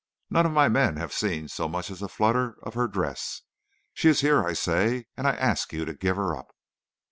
None of my men have seen so much as a flutter of her dress. She is here, I say, and I ask you to give her up.'